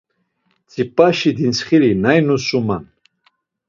Tzip̌aşi dintsxiri nak dusuman?